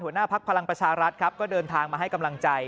หัวหน้าภักดิ์พลังประชารัฐครับก็เดินทางมาให้กำลังใจ